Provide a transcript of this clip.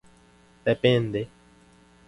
Depende